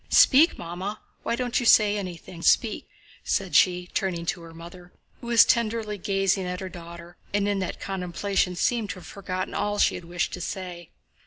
Speak, Mamma, why don't you say anything? Speak!" said she, turning to her mother, who was tenderly gazing at her daughter and in that contemplation seemed to have forgotten all she had wished to say.